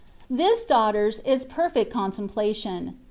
This, daughters, is perfect contemplation.